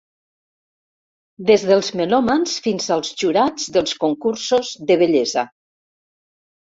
Des dels melòmans fins als jurats dels concursos de bellesa.